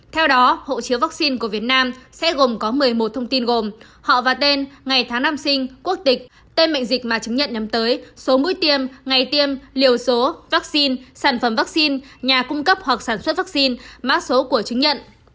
theo đó hộ chiếu vaccine của việt nam sẽ gồm có một mươi một thông tin gồm họ và tên ngày tháng năm sinh quốc tịch tên mệnh dịch mà chứng nhận nhắm tới số mũi tiêm ngày tiêm liều số vaccine sản phẩm vaccine nhà cung cấp hoặc sản xuất vaccine mã số của chứng nhận